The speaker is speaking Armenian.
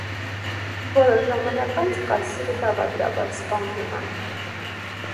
Որոշ ժամանակ անց կայսրը դավադրաբար սպանվում է։